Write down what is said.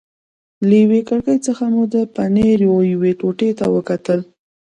له یوې کړکۍ څخه مو د پنیرو یوې ټوټې ته وکتل.